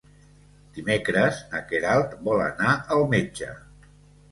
Dimecres na Queralt vol anar al metge.